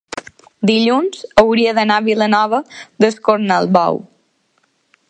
dilluns hauria d'anar a Vilanova d'Escornalbou.